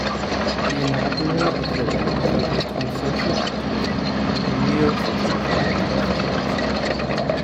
The inaugural exhibit focused on social activism and New York City's activist roots.